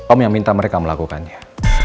om yang minta mereka melakukannya